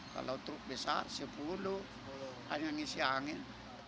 kalau truk besar sepuluh hanya ngisi angin